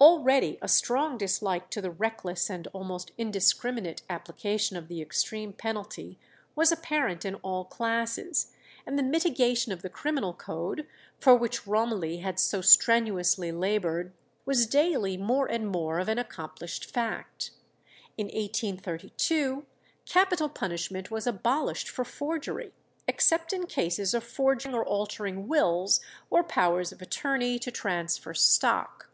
Already a strong dislike to the reckless and almost indiscriminate application of the extreme penalty was apparent in all classes, and the mitigation of the criminal code, for which Romilly had so strenuously laboured, was daily more and more of an accomplished fact. In 1832 capital punishment was abolished for forgery, except in cases of forging or altering wills or powers of attorney to transfer stock.